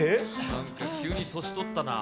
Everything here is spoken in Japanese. なんか急に年取ったな。